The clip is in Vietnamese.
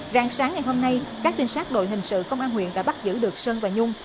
rạng sáng ngày hôm nay các trinh sát đội hình sự công an huyện đã bắt giữ được sơn và nhung